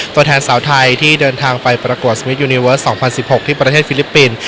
ตัวแทนสาวไทยที่เดินทางไปประกวดสวิทยูนิเวิร์ส๒๐๑๖ที่ประเทศฟิลิปปินส์